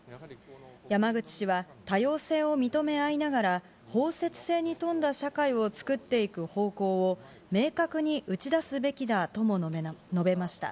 山口氏は、多様性を認め合いながら、包摂性に富んだ社会を作っていく方向を、明確に打ち出すべきだとも述べました。